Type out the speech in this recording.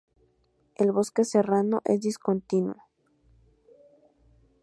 El bosque serrano es discontinuo.